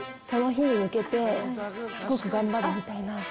その日に向けてすごく頑張るみたいな。